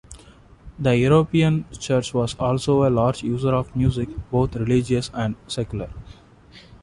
The European Church was also a large user of music, both religious and secular.